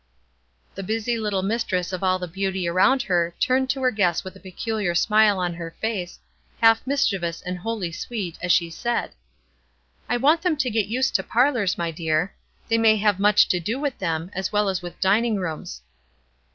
The busy little mistress of all the beauty around her turned to her guest with a peculiar smile on her face, half mischievous and wholly sweet, as she said: "I want them to get used to parlors, my dear; they may have much to do with them, as well as with dining rooms."